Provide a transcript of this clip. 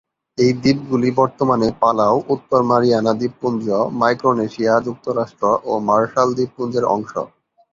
এই দ্বীপগুলি বর্তমানে পালাউ, উত্তর মারিয়ানা দ্বীপপুঞ্জ, মাইক্রোনেশিয়া যুক্তরাষ্ট্র ও মার্শাল দ্বীপপুঞ্জের অংশ।